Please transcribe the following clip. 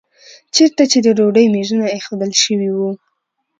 چېرته چې د ډوډۍ میزونه ایښودل شوي وو.